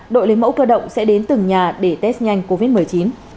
đội lấy mẫu cơ động sẽ đến từng nhà để test nhanh covid một mươi chín